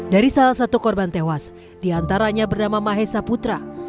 dari salah satu korban tewas diantaranya bernama mahesa putra